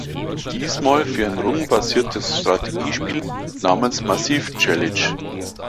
Diesmal für ein rundenbasiertes Strategiespiel namens Massive Chalice.